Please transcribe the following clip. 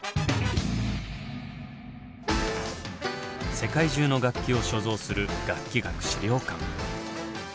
世界中の楽器を所蔵する楽器学資料館。